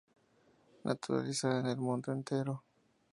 Naturalizada en el mundo entero.